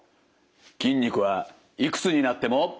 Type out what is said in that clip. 筋肉はいくつになっても。